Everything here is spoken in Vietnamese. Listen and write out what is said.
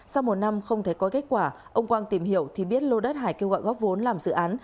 sau một năm không thấy có kết quả ông quang tìm hiểu thì biết lô đất hải kêu gọi góp vốn làm dự án